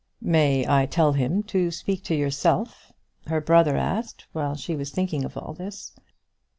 "May I tell him to speak to yourself?" her brother asked, while she was thinking of all this.